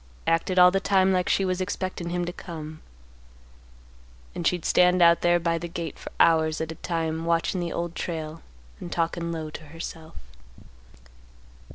Acted all the time like she was expectin' him to come. And she'd stand out there by the gate for hours at a time, watchin' the Old Trail and talkin' low to herself.